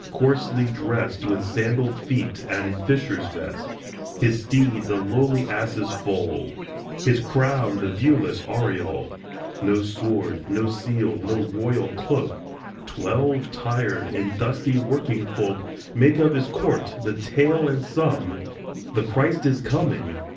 Coarsely dressed With sandalled feet and fisher's vest, His steed the lowly ass's foal, His crown the viewless aureole ; No sword, no seal, no royal cloak ; Twelve tired and dusty working folk Make of his court the tale and sum. The Christ is coming